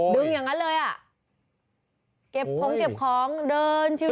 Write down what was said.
อย่างนั้นเลยอ่ะเก็บของเก็บของเดินชิว